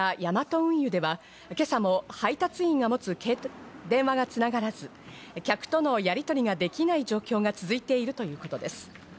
また影響を受けたヤマト運輸では今朝も配達員などが持つ電話が繋がらず、客とのやりとりが、できない状況が続いているということです。